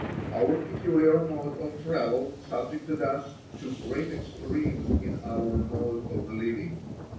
Our peculiar mode of travel subjected us to great extremes in our mode of living.